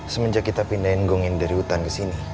semenjak kita pindahin gong ini dari hutan ke sini